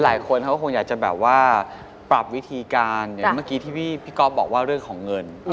หลายคนเขาก็คงอยากจะแบบว่าปรับวิธีการอย่างเมื่อกี้ที่พี่ก๊อฟบอกว่าเรื่องของเงิน